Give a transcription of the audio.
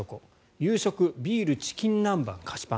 夕食ビール、チキン南蛮、菓子パン。